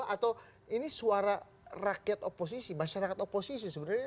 atau ini suara rakyat oposisi masyarakat oposisi sebenarnya